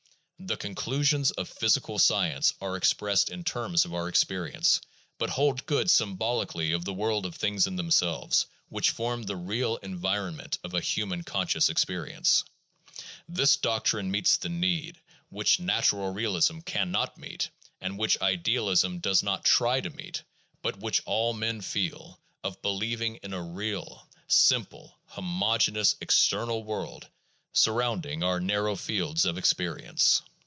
The conclusions of physical science are expressed in terms of our experience, but hold good symbolically of the world of things in themselves which forms the real environment of a human conscious experience. This doctrine meets the need, which "natural" realism can not meet, and which idealism does not try to meet, but which all men feel, of believing in a real, simple, homogeneous ex ternal world surrounding our narrow fields of experience.